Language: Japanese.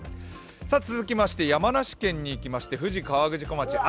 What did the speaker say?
続きまして山梨県に行きまして、富士河口湖町。